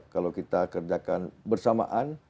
kalau kita kerjakan bersamaan